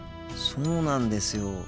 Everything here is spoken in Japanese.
そうなんですよ。